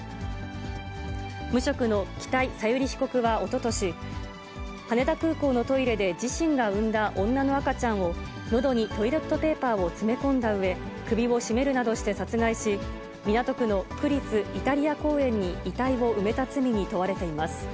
無職の北井小由里被告はおととし、羽田空港のトイレで自身が産んだ女の赤ちゃんを、のどにトイレットペーパーを詰め込んだうえ、首を絞めるなどして殺害し、港区の区立イタリア公園に遺体を埋めた罪に問われています。